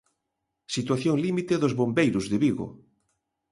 Situación límite dos bombeiros de Vigo.